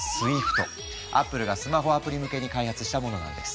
Ａｐｐｌｅがスマホアプリ向けに開発したものなんです。